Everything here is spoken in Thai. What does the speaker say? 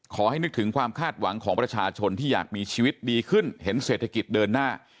ขอให้นึกถึงความคาดหวังของประชาชนที่อยากมีชีวิตดีขึ้นเห็นเศรษฐกิจเดินหน้า